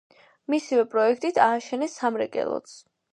მისივე პროექტით ააშენეს სამრეკლოც.